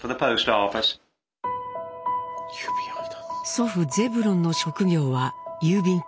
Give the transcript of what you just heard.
祖父ゼブロンの職業は郵便局員。